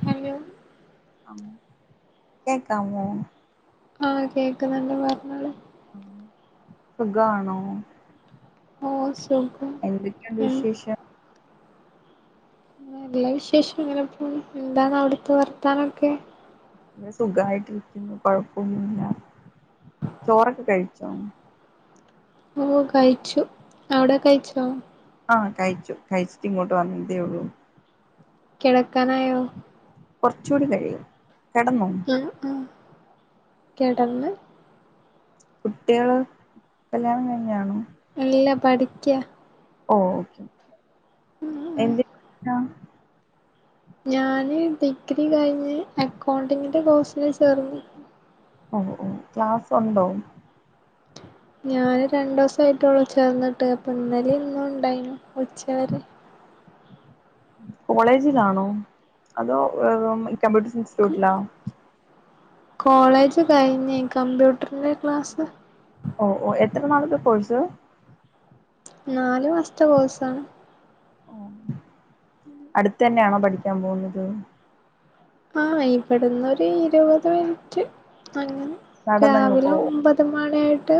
Thank you കേക്കമോ ആ കേക്കുന്നുണ്ട് പറഞ്ഞോ സുഖാണോ ഓസ് എന്തൊക്കെയൊണ്ട് വിശേഷം നല്ല വിശേഷം ഇങ്ങനെ പോന്നു എന്താണ് അവിടുത്തെ വർത്താനൊക്കെ സുഖായിട്ടിരിക്കുന്നു കൊഴപ്പന്നുല്ല ചോറൊക്കെ കഴിച്ചോ മ് കഴിച്ചു അവിടെ കഴിച്ചോ ആഹ് കഴിച്ചു കഴിച്ചിട്ട് ഇങ്ങോട്ട് വന്നതേ ഉള്ളൂ കിടക്കാനായോ കൊർച്ചുടി കഴിയും കിടന്നോ ആഹ് ആഹ് കെടന്ന് കുട്ടികള് കല്യാണം കഴിഞ്ഞാണോ ഇല്ല പഠിക്കാ ഓഹ് എന്തിനാ ഞാന് ഡിഗ്രി കഴിഞ്ഞ് അക്കൗണ്ടിങ്ങിന്റെ കോഴ്സില് ചേർന്നു. ഓഹ് ക്ലാസ്സ് ഉണ്ടോ? ഞാന് രണ്ടോസായിട്ടൊള്ളൂ ചേർന്നിട്ട് അപ്പൊ ഇന്നലെ ഇന്നും ഉണ്ടായിനു. ഉച്ച വരെ കോളേജിലാണോ? അതോ ഏഹ് കമ്പ്യൂട്ടർ ഇൻസ്റ്റിറ്റ്യൂട്ടിലാ? കോളേജ് കഴിഞ്. കമ്പ്യൂട്ടറിന്റെ ക്ലാസ് ഓഹ് ഓഹ് എത്ര നാള്തെ കോഴ്സ് നാലു മാസത്തെ കോഴ്സ്ആണ്. ഓഹ് അടുത്തന്നെയാണോ പഠിക്കാൻ പോകുന്നത്? ആഹ് ഇവിടുന്നൊരു ഇരുപത് മിനിറ്റ് അൻ നടന്നങ്ങ് രാവിലെ പോവോ ഒമ്പത് മണിയൊട്ട്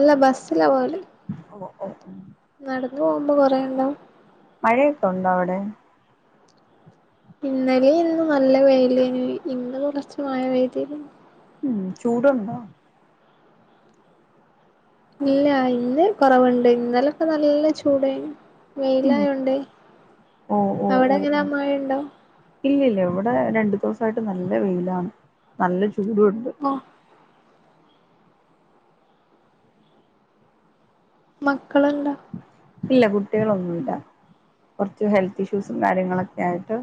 അല്ല ബസിലാ പോഅല് ഒഹ് ഓഹ് നടന്നോഉമ്പോ കൊറെണ്ടാഉ മഴയൊക്കെ ഉണ്ടോ അവിടെ? ഇന്നലെ ഇന്ന് നല്ല വെയ്ലേഞു ഇന്ന് കുറച്ച് മഴ വെയ്തിരുന്നു. ഉം ചൂട്ണ്ടോ? ഇല്ല ഇന്ന് കൊറവുണ്ട്. ഇന്നലൊക്കെ നല്ല ചൂടേഞ്. ഉം വെയിലായോണ്ട്. ഓ ഓ ഓ അവിടെങ്ങനെ മഴ ഉണ്ടോ? ഇല്ലില്ല ഇവിടെ രണ്ടു ദിവസായിട്ട് നല്ല വെയിലാണ്. നല്ല ചൂടു ഉണ്ട്. ഓഹ് മക്കള് ഇണ്ടോ? ഇല്ല കുട്ട്യേളൊന്നുല്ല. കുറച്ച് ഹെൽത്ത് ഇഷ്യൂസും കാര്യങ്ങളൊക്കെ ആയിട്ട്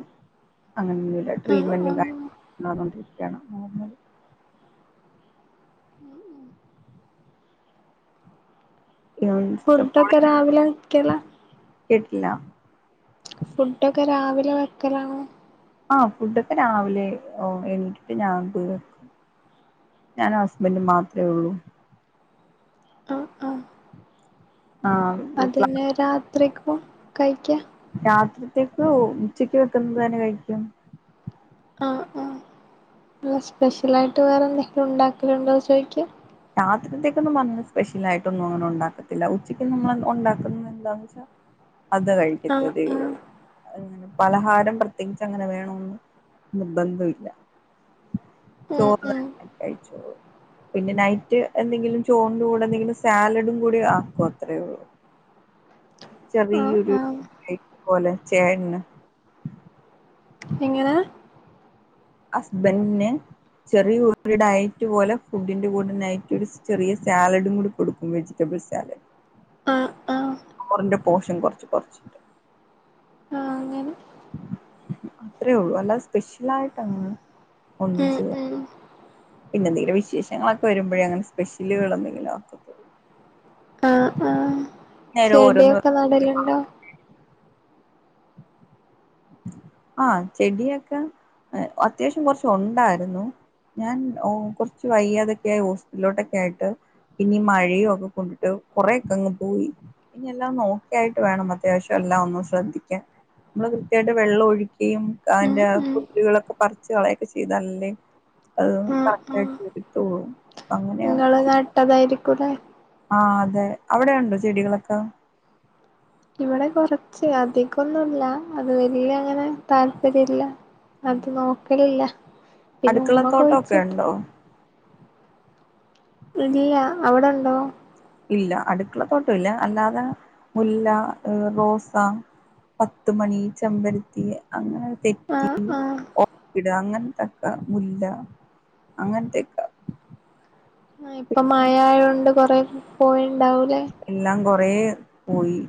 അങ്ങനെന്നുല്ല. ആഹ് ട്രീറ്റ്മെന്റും ആഹ് കാര്യങ്ങളൊണ്ടിരിക്കയാണ് നോർമല് ഉം ഉം ഫുഡ് ഒക്കെ രാവിലെക്കലാ കേട്ടില്ല ഫുഡൊക്കെ രാവിലെ വെക്കലാണോ ആഹ് ഫുഡൊക്കെ രാവിലെ എണിറ്റിട്ട് ഞാൻ വെക്കും ഞാനും ഹസ്ബൻ്റും മാത്ര ഉള്ളൂ ആഹ് ആഹ് ആഹ് ത്രിക്കും കഴിക്ക രാത്രിത്തേക്ക് ഉച്ചക്ക് വെക്കുന്നത് തന്നെ കഴിക്കും ആഹ് ആഹ് സ്പെഷ്യലായിട്ട് വേറെ എന്തെങ്കിലും ഉണ്ടാക്കല്ണ്ടോ ചോയിക്ക രാത്രിത്തേക്കൊന്നും പറഞ്ഞ സ്പെഷ്യലായിട്ടൊന്നും അങ്ങനെ ഉണ്ടാക്കത്തില്ല ഉച്ചക്ക് നമ്മള് ഉണ്ടാക്കുന്നത് എന്താന്ന് വെച്ചാ അത് ആഹ് കഴിക്കത്തതേ ആഹ് അങ്ങനെ പലഹാരം പ്രത്യേകിച്ച് അങ്ങനെ വേണോന്ന് നിർബന്ധവില്ല ഉം ഉം പിന്നെ നൈ റ്റ് എന്തെങ്കിലും ചോറിൻ്റൂടെ എന്തെങ്കിലും സാലഡും കൂടി ആക്കോ അത്രേ ഉള്ളൂ ആഹ് ചെറിയൊരു ആഹ് [inaudible] പോലെ ചേട്ടന് നിങ്ങള് ഹസ്ബൻറിന് ചെറിയ ഒരു ഡയറ്റ് പോലെ ഫുഡിന്റെ കൂടിനായിറ്റ ഒരു ചെറിയ സാലഡും കൂടി കൊടുക്കും, വെജിറ്റബിൾ സാലഡ്. ആഹ ആഹ ചോറിന്റെ പോഷം കുറച്ച് കുറിച്ചിട്ട് ആ അങ്ങനെ അത്രേ ഉള്ളു അല്ലാതെ സ്പെഷ്യൽ ആയിട്ട് അങ്ങ് ഒന്നും ഉം ചെയ്യ ഉം പിന്നെ എന്തെങ്കിലും വിശേഷങ്ങളൊക്കെ വരുമ്പോഴേ അങ്ങനെ സ്പെഷ്യലുകൾ എന്തെങ്കിലും ഒക്കെ തോന്നൂ. ആഹ ആഹ ഓരോന്ന് ചെടിയൊക്കെ നടലുണ്ടോ ആഹ ചെടിയൊക്കെ അത്യാവശ്യം കുറച്ച് ഉണ്ടായിരുന്നു. ഞാൻ കുറച്ച് വൈയാതൊക്കൊയി ഹോസ്പിറ്റലിലോട്ടൊക്കെ ആയിട്ട് പിന്ന മഴയയും ഒക്കെ കൊണ്ടിട്ട് കൊറെേ ഒക്കെ അങ്ങ് പോയി. ഇനി എല്ലാം നോക്കിയായിട്ട് വേണം അത്യാവശ്യം എല്ലാം ഒന്നു ശ്രദ്ധിക്കാൻ നമ്മ ചുടെ വെള്ളം ഒഴിക്കുകയും ഉം അതിന്റെ ഉം കുല്ലികളൊക്കെ പറച്ച് കളയൊക്കെ ചെയ്താലല്ലേ അത് ആഹ് കറക് ആയിട്ട് എടുത്തോളും അങ്ങനെയ ങ്ങള് നട്ടതായിരിക്കൂല്ലേ ആഹ അതെ അവിടെണ്ടോ ചെടികളൊക്കെ ഇവിടെ കൊറച്ച് അധികൊന്നുംല്ല. അത് വലിയ അങ്ങനെ താല്പര്യ ഇല്ല. അത് നോക്കലില്ല. പിന്നെ ഉമ്മ അടുക്കളത്തോട്ടൊക്കെ കുഴിച്ചിട്ട് ഉണ്ടോ ഇല്ല അവിടെണ്ടോ ഇല്ല അടുക്കള തോട്ടം ഇല്ല. അല്ലാതെ മുല്ല, റോസ പത്തുമണി, ചെമ്പരത്തി അങ്ങനെ തെറ്റി, ആഹ് ആഹ് ഓർക്കിഡ് അങ്ങനെ കട്ട മുല്ല അങ്ങനത്തക്ക ആ ഇപ്പൊ മഴയൊണ്ട് കൊറെ പോയിണ്ടാവൂലേ എല്ലാം കൊറേ പോയി.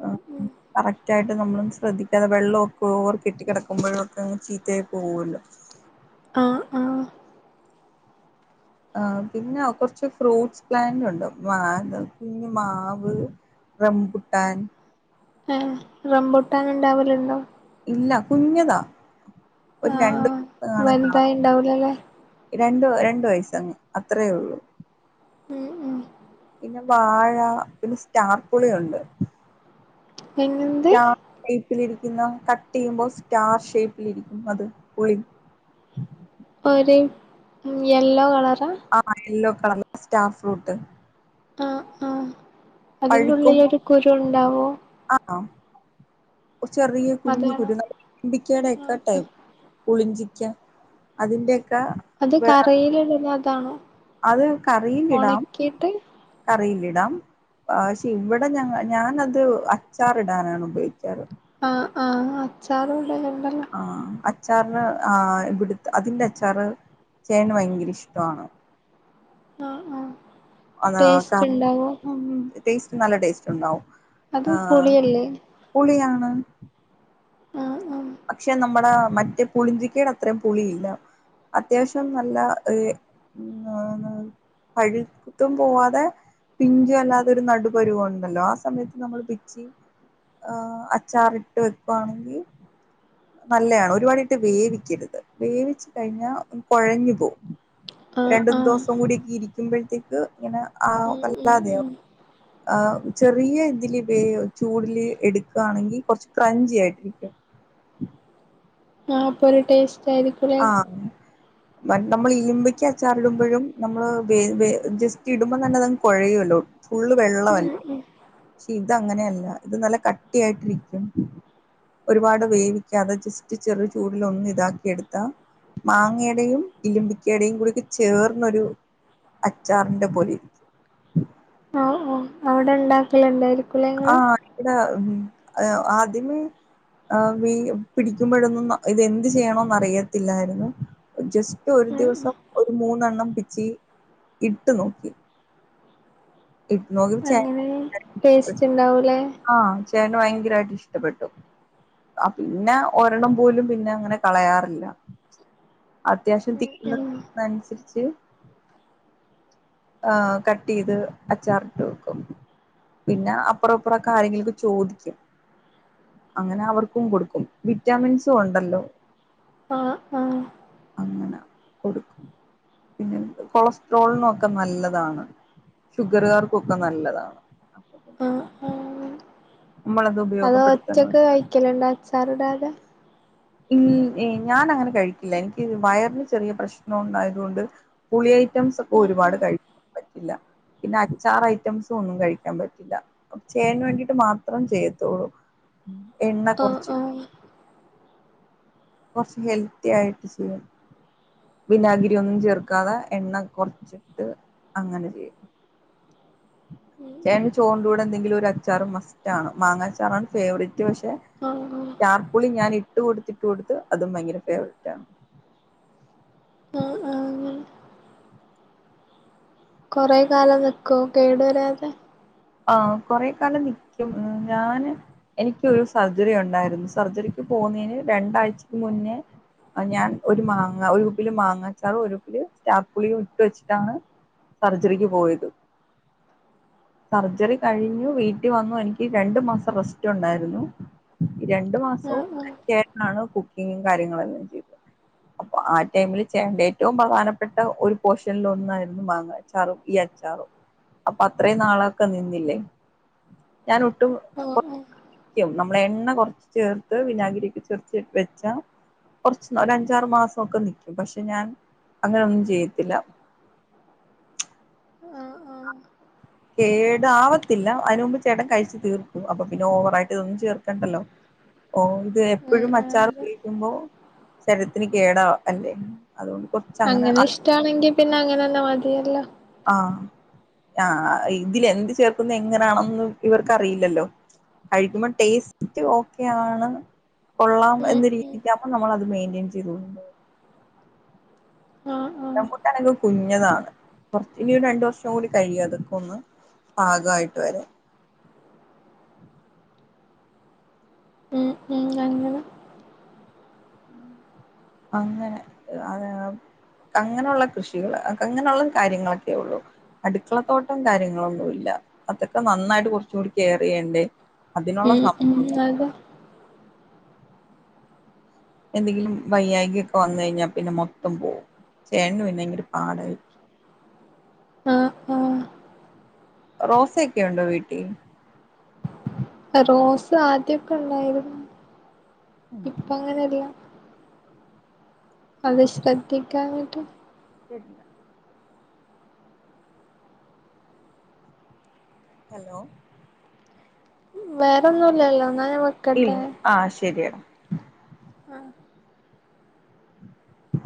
ഉം ഉം തറ്റായിട്ട് നമ്മളും ശ്രദ്ധിക്കാതെ വെള്ളമൊക്കെഓവർ കെട്ട കിടക്കുമ്പോഴും ഒക്കെ അങ്ങ് ചീത്തായി പോകുമല്ലോ ആഹ് ആഹ് ആ പിന്നെ കുറച്ച് ഫ്രൂട്ട്സ് പ്ലാന്റ് ഉണ്ട്. മാ കുഞ്ഞിമാവ് റംബുട്ടാൻ, ഏ റംബോട്ടാന്ന ഉണ്ടാവലുണ്ടോ ഇല്ല കുഞ്ഞതാ ഒരു ആഹ് രണ്ടു ആഹ് [unintelligible] കാ വലുതായി ഇണ്ടാവൂലല്ലേ രണ്ടു രണ്ട വയസങ്ങ് അത്രയേ ഉള്ളു. ഉം ഉം പിന്നെ വാഴ പിന്നെ സ്റ്റാർപുളിയുണ്ട്. എന്ത് [unintelligible] കട്ട് ചെയ്യുമ്പോ സ്റ്റാർ ഷേപ്പിലിരിക്കും അത് പുളി ഒരു യെല്ലോ കളർ ആഹ യെല്ലോ കളർ സ്റ്റാർ ഫ്രൂട്ട്. ആഹ ആഹ അതിന്റെള്ളിൽ പഴുക്കുമ്പോ ഒരു കുരു ഉണ്ടാവോ. ആ ഒരു ചെറിയ കുഞ്ഞ് അതാണോ കുരു കുരുങ്ങമ്പിക്കേട ഒക്കാ ആഹ് ആഹ് ടൈപ് പുളിഞ്ചി അതിന്റെ അത് കറയിലിടുന്ന അതാണോ അത് കറിയിലിടാം, ഒണക്കിയിട്ട് കറിയിലി ഇട പക്ഷെ ഇവിടെ ഞ ഞാനത് അച്ചാർ ഇടാനാണ് ഉപയോഗിക്കാറ്. ആ ആ അച്ചാറ ആ അ അച്ചാറിന് ആ ഇവിടു അതിന്റെ അച്ചാറ് ചേട്ടന് ഭയങ്കര ഇഷ്ടമാണ്. ആ ആ ആ [unintelligible] ടേസ്റ്റ് നല്ല ടേസ്റ്റ് ഉണ്ടാവും അത് ആ പുളിയല്ലേ പുളിയാണ് ആ പക്ഷെ നമ്മടെ മറ്റേ പുളിഞ്ചിക്കേടത്രേം പുളിയില്ല അത്യാവശ്യം നല്ല ഏ പഴിത്തും പോവാാതെ പിഞ്ചു അല്ലാതെരു നടുപരുവ ഉണ്ടല്ലോ ആ സമയത്ത് നമ്മൾ പിച്ചി ആഏ അച്ചാറിട്ട് വെക്കുവാണെങ്കിൽ നല്ലണ് ഒരുപാടിട്ട് വേവിക്കരുത് വേവിച്ചു കഴിഞ്ഞാൽ കുഴഞ്ഞു പോവും ആഹ് രണ്ട ആഹ് ദിവസം കൂടിക്കെ ഇരിക്കുമ്പോഴത്തേക്ക് ഇങ്ങനെ ആ ഉം ഉം വല്ലാതെയോ ഉം ആ ചെറിയ ഇതില് വേ ചൂടില് എടുക്കയാണെങ്കിൽ കൊറച്ച് ക്രഞ്ചി ആയിട്ടിരിക്കും ഉം ആ അപ്പൊ ഒരു ടേസ്റ്റ് ആയിരിക്കുംല്ലേ മ നമ്മൾ ഇലിമ്പക്ക് അച്ചാറി ഇടുമ്പോഴും നമ്മള് വെ വെ ജസ്റ്റ് ഇടുമ്പോ തന്നെ അതങ് കുഴയുമല്ലോ ഫുള്ള് വെള്ളമല്ലേ ശീതങ്ങനെയല്ല ഇത് നല്ല കട്ടിയായിട്ടിരിക്കും ഒരുപാട് വേവിക്കാതെ ജസ്റ്റ് ചെറു ചൂടൽൊന്നുഇതാക്കി എടുത്ത് മാങ്ങയുടെയും ഇല്ലമ്പിക്കയുടെയും കൂടി ചേർന്നൊരു അച്ചാറിന്റെ പൊല ആഹ് ആഹ് അവിടെ ഇണ്ടാക്കലുണ്ടായിരിക്കും ആ ഇടെ ആദ്യമി ആ പിടിക്കുമ്പോഴന്നും ഇതെന്ത് ചെയ്യണോന്ന് അറിയത്തില്ലായിരുന്നു ജസ്റ്റ് ഒരു ഉം ഉം ദിവസം ഒരു മൂന്നെണ്ണം പിച്ച് ഇട്ട് നോക്കി ഇട്ട് നോക്കി ച അങ്ങനെ ടേസ്റ്റ് ഇണ്ടാവൂലേ ആ ചേന് ഭയങ്കരമായിട്ട് ഇഷ്ടപ്പെട്ടു ആ പിന്നെ ഒരെണം പോലും പിന്നെ അങ്ങനെ കളയാറില്ല അത്യാവശ്യം ഉം ഉം തിക്കുന്നനുസരിച്ച് ആ കട്ട് ചെയ്ത് അച്ചാറിട്ട് വെക്കും പിന്നെ അപ്പറ അപ്പറം കാര്യങ്ങൾക്കെ ചോദിക്കും അങ്ങനെ അവർക്കും കൊടുക്കും വിറ്റാമിൻസും ഉണ്ടല്ലോ ആഹ് ആഹ് അങ്ങനെ കൊടുക്കും പിന്നെ കൊളസ്ട്രോൾ നോക്ക ഒക്കെ നല്ലതാണ് ഷുഗറുകാർക്കൊക്കെ നല്ലതാണ് അപ്പൊ തന്നെ ആഹ് മമ്മള ദു അതോ ഒച്ചൊക്കെ കഴിക്കലണ്ടാ അച്ചാറടാതെ ൽ ല ഞാൻ അങ്ങനെ കഴിക്കില്ല എനിക്ക് വയറിന് ചെറിയ പ്രശ്നം ഉണ്ടായത്ുകൊണ്ട് പുളിയായി റ്റം ഒക്കെ ഉം ഒരുപാട് ഉം കഴിക്കൻ പറ്റില്ല പിന്നെ അച്ചാർ ഐറ്റംസ ഒന്നും കഴിക്കാൻ പറ്റില്ല അപ്പ ചെടാന് വേണ്ടിട്ട് മാത്രം ചെയ്യത്തുള്ളൂ എണ്ണ ആഹ് കുറച്ച് ആഹ് കുറച്ഹെൽത്തി ആയിട്ട് ചെയ്യാം വിനാഗിരി ഒന്നും ചേർക്കാതെ എണ്ണ കുറച്ചിട്ട് അങ്ങനെ ചെയ്യും ചേൻ ചോന്റെ കൂടെ എന്തെങ്കിലും ഒരു അച്ചാറ് മസ്റ്റ് ആണ് മാങ്ങ അച്ചാറാണ് ഫേവററ്റ് പക്ഷെ ആഹ് ആഹ് ചാർപ്പുളി ഞാൻ ഇട്ട് കൊടുത്തിട്ടു കൊടുത്ത് അതും ഭയങ്കര ഫേവററ്റ് ആണ് ആ ആ കൊറെ കാലം വെക്കുവോ കേടു വരാതെ ആ കുറെ കാലം നിക്കും ഞൻ എനക്ക്രു സർജറി ഉണ്ടായിരുന്നു സർജറി പോന്നതിന് രണ്ടാഴ്ചക്ക് മുന്നേ ഞാൻ ഒരു മാങ്ങ ഒരു ഉപ്പില് മാങ്ങാച്ചാറും ഒരുപ്പില് ചറ്റപ്പുളിയും ഇട്ട് വെച്ചിട്ടാണ് സർജറിക്ക് പോയത് സർജറി കഴിഞ്ഞു വീട്ടിൽ വന്നു എനിക്ക് രണ്ടു മാസം റെസ്റ്റ് ഉണ്ടായിരുന്നു രണ്ടു ആഹ് ആഹ് മാസവുംാണ് കുക്കിങ്ങും കാര്യങ്ങളും എല്ലാം ചെയ്തത് അപ്പൊ ആ ടൈമില്ണ്ട ഏറ്റവും പ്രധാനപ്പെട്ട ഒരു പോഷനൽ ഒന്നരുന്നു വാങ്ങ ചാറഈ അപ്പൊ അത്രയും നാളൊക്കെ നിന്നില്ലേ ഞാൻ ഒട്ടും ആഹ് ആഹ് നമ്മള എണ്ണ കുറച്ച് ചേർത്ത് വിനാഗിരിക്ക് ചേർച്ച് വെച്ച കുറച്ച് ഒ അഞ്ചാറു മാസംഒക്കെ നിക്കും പക്ഷെ ഞാൻ അങ്ങനെയൊന്നും ചെയ്യത്തില്ല [inaudible] ആഹ് ആഹ് കേട ആവത്തില്ല അതിനന് മുമ്പ് ചേട്ടൻ കഴിച്ചു തീർക്കും അപ്പൊ പിന്നെ ഓവറായിട്ട് ഇതൊന്നും ചേർക്കണ്ടല്ലോ ഓ ഇത് ഉം എപ്പോഴും ഉം അച്ചാർ അതെ ഉയിക്കുമ്പോ ശരത്തിന് കേടാ അല്ലേ അതുകൊണ്ട് അങ്ങനെ ഇഷ്ടമാണെങ്കി പിന്നെ അങ്ങനെന്നാ മതിയല്ലോ ആ ആ ഇതില എന്ത് ചേർക്കുന്ന എങ്ങനെയാണന്ന് ഇവർക്കറിയില്ലല്ലോ കഴിക്കുമ്പോ ടേസ്റ്റ് ഓക്കെയ ആണ് കൊള്ളാം ഉം എന്നന്ന് ഉം രീതിക്കുമ്പോൾ നമ്മൾ അത് മെയിന്റെയിൻ ചെയ്തണ്ടും ആഹ് ഇം ആഹ് കുട്ടാനൊക്കെ കുഞ്ഞതാണ് കുറച്ച് ഇനി ഒരു രണ്ടു വർഷം കൂടി കഴിയും അതൊക്കെ ഒന്ന് പാകമായിട്ട് വരെ ഉം ഉം അങ്ങനെ അങ്ങനെ അത അങ്ങനെയുള്ള കൃഷികൾ അങ്ങനെയുള്ള കാര്യങ്ങളൊക്കെ ഉള്ളൂ അടുക്കളത്തോട്ടം കാര്യങ്ങളൊന്നുംല്ല അതൊക്കെ നന്നായിട്ട് കുറച്ചുകൂടി കെയർ ചെയ്യണ്ടേ അതിനുള്ള ഉം സമയം ഉം അതെ എന്തെങ്കിലും വയ്യാകിൊക്കെ വന്ന കഴിഞ്ഞാൽ പിന്നെ മൊത്തം പോവും ചേട്ടന് പിന്നെ ഭങ്ക ഒരു പാടായി ആഹ് ആഹ് റോസ ഒക്കെ ഉണ്ടോ വീട്ടിൽ റോസ് ആദ്യൊക്കെ ഉണ്ടായിരുന്നു ഉം ഇപ്പ അങ്ങനെല്ല അത് ശ്രദ്ധിക്കാനട്ട് ശട്ടല്ല ഹലോ വേറെന്നുംല്ലല്ലോ ഇല്ല ആ ശരിയാണ് ആ